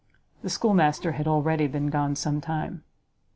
The schoolmaster had already been gone some time.